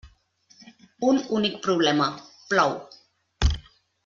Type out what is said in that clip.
Un únic problema: plou.